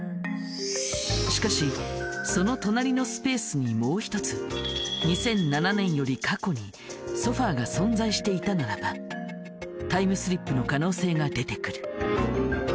しかしその隣のスペースにもう一つ２００７年より過去にソファが存在していたならばタイムスリップの可能性が出てくる。